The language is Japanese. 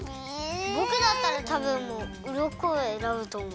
ぼくだったらたぶんうろこをえらぶとおもう。